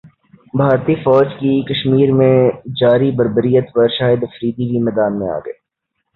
بھارتی فوج کی کشمیرمیں جاری بربریت پر شاہدافریدی بھی میدان میں گئے